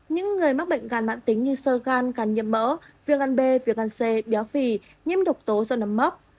những người mắc bệnh gan mạng tính như sơ gan gan nhiễm mỡ viên gan b viên gan c béo phì nhiễm độc tố do nấm mốc